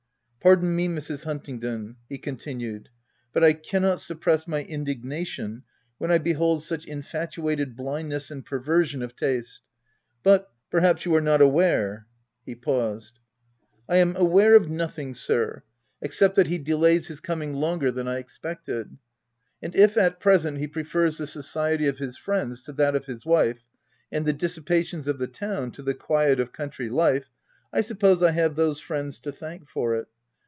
u Pardon me, Mrs. Huntingdon/' he con tinued, " but I cannot suppress my indignation when I behold such infatuated blindness and perversion of taste ;— but, perhaps you are not aw r are —" He paused. " I am aware of nothing sir — except that he OP WILDFELL HALL. 169 delays his coming longer than I expected ; and if at present, he prefers the society of his friends to that of his wife, and the dissipations of the town to the quiet of country life, I suppose I have those friends to thank for it.